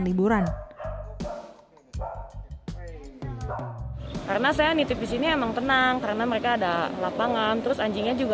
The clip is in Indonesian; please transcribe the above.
liburan karena saya nitip di sini emang tenang karena mereka ada lapangan terus anjingnya juga